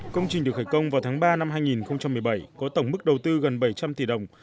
công trình được khởi công vào tháng ba năm hai nghìn một mươi bảy có tổng mức đầu tư gần bảy trăm linh tỷ đồng